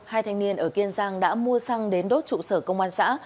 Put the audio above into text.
hai thanh niên ở kiên giang đã mua xăng đến đốt trụ sở công an xã